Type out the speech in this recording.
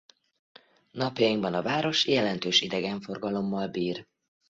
Napjainkban a város jelentős idegenforgalommal bír.